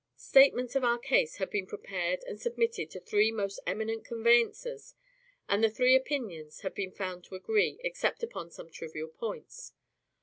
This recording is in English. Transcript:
Statements of our case had been prepared and submitted to three most eminent conveyancers, and the three opinions had been found to agree, except upon some trivial points.